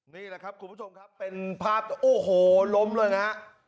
นี่แหละครับคุณผู้ชมครับเป็นภาพโอ้โหล้มเลยนะฮะ